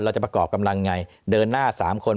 จะประกอบกำลังไงเดินหน้า๓คน